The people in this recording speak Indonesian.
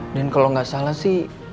dan kalo gak salah sih